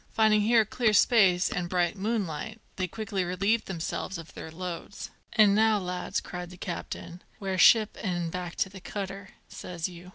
Finding here a clear space and bright moonlight, they quickly relieved themselves of their loads. "An' now, lads," cried the captain, "wear ship an' back to the cutter, says you.